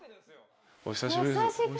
お久しぶりです。